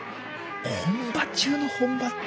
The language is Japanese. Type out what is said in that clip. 本場中の本場。